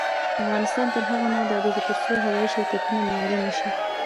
افغانستان تر هغو نه ابادیږي، ترڅو هوايي شرکتونه معیاري نشي.